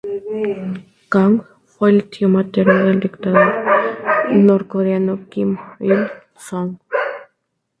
Kang fue el tío materno del dictador norcoreano Kim Il-sung.